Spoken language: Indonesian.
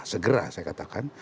segera saya katakan